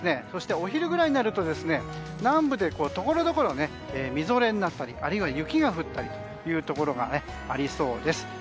そして、お昼ぐらいになると南部でところどころみぞれになったりあるいは雪が降ったりというところがありそうです。